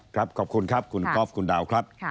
ขอบคุณครับคุณก๊อฟคุณดาวครับ